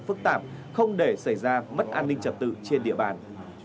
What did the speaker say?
phức tạp không để xảy ra mất an ninh trật tự trên địa bàn